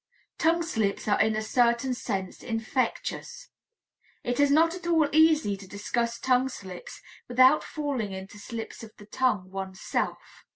Tongue slips are in a certain sense infectious; it is not at all easy to discuss tongue slips without falling into slips of the tongue oneself.